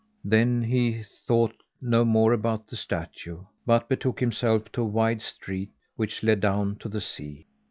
Then he thought no more about the statue, but betook himself to a wide street which led down to the sea.